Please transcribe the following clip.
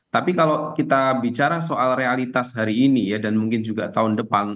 tapi kalau kita bicara soal realitas hari ini ya dan mungkin juga tahun depan